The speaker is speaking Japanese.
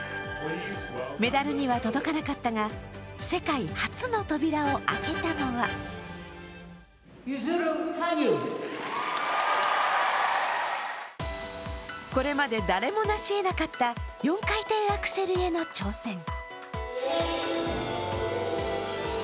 メダルには届かなかったが世界初の扉を開けたのはこれまで誰もなしえなかった４回転アクセルへの挑戦。